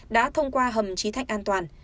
đã thông qua hầm trí thạch an toàn